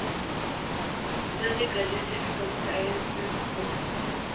Joly graduated from Sciences Po.